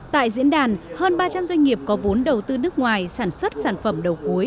tại diễn đàn hơn ba trăm linh doanh nghiệp có vốn đầu tư nước ngoài sản xuất sản phẩm đầu cuối